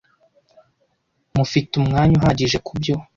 Mufite umwanya uhagije kubyo.